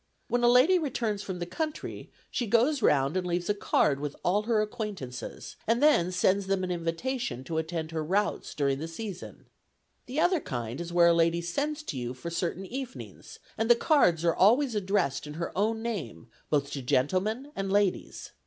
When a lady returns from the country she goes round and leaves a card with all her acquaintances, and then sends them an invitation to attend her routs during the season. The other kind is where a lady sends to you for certain evenings, and the cards are always addressed in her own name, both to gentlemen and ladies.